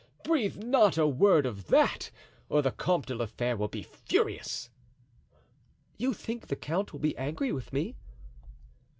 Breathe not a word of that, or the Comte de la Fere will be furious." "You think the count will be angry with me?"